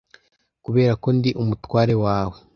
kubera ko ndi umutware wawe